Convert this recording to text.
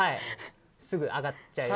すぐ、上がっちゃいます。